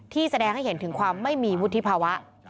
แสดงให้เห็นถึงความไม่มีวุฒิภาวะ